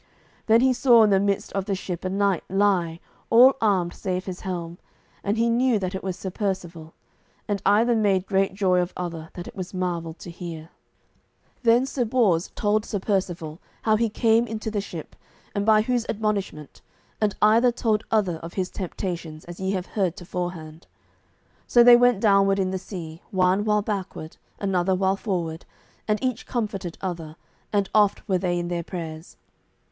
Then he saw in the midst of the ship a knight lie, all armed save his helm, and he knew that it was Sir Percivale. And either made great joy of other, that it was marvel to hear. Then Sir Bors told Sir Percivale how he came into the ship, and by whose admonishment, and either told other of his temptations, as ye have heard toforehand. So went they downward in the sea, one while backward, another while forward, and each comforted other, and oft were they in their prayers.